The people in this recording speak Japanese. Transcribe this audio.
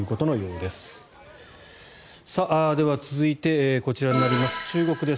では、続いてこちらになります。